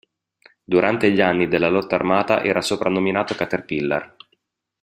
Durante gli anni della lotta armata era soprannominato "caterpillar".